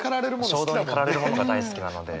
衝動に駆られるものが大好きなので。